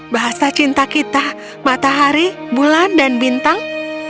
bahasa cinta kita matahari bulan dan bintang